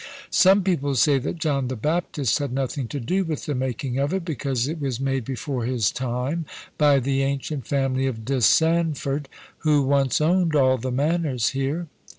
Some people say that John the Baptist had nothing to do with the making of it, because it was made before his time by the ancient family of De Sandford, who once owned all the manors here.